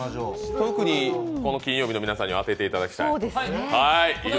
特に金曜日の皆さんには当てていただきたい。